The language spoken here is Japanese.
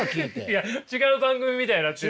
いや違う番組みたいになってるよ。